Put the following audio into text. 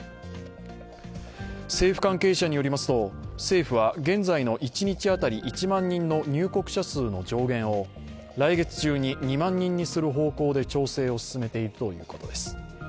政府関係者によりますと、政府は現在の一日当たり１万人の入国者数の上限を来月中に２万人にする方向で調整を進めているということです。